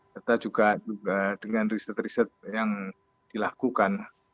serta juga dengan riset riset yang dilakukan